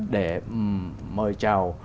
để mời chào